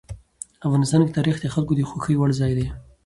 افغانستان کې تاریخ د خلکو د خوښې وړ ځای دی.